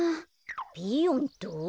ピーヨンと？